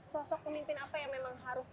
sosok pemimpin apa yang memang harus